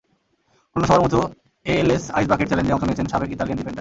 অন্য সবার মতো এএলএস আইস বাকেট চ্যালেঞ্জে অংশ নিয়েছেন সাবেক ইতালিয়ান ডিফেন্ডার।